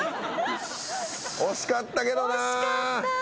惜しかったけどな。